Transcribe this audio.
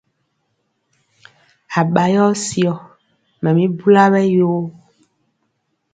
Aɓa yɔ syɔ mɛ mi bula ɓɛ yoo.